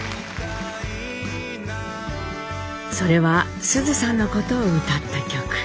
それは須壽さんのことを歌った曲。